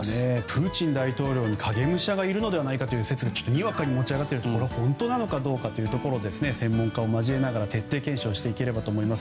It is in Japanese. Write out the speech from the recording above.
プーチン大統領に影武者がいるのではないかという説がにわかに持ち上がっているがこれは本当なのかどうか専門家を交えながら徹底検証していければと思います。